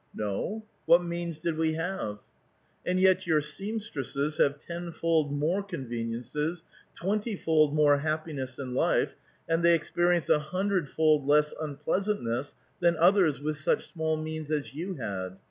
" No; what means did we have?" "And yet your seamstresses have tenfold more conven i'^ncos, twenty fold more happiness in life, and they expe rience a hundred fold less unpleasantness than others with such small means as you had.